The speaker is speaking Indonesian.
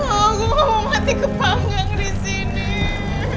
aku mau mati kepanggang disini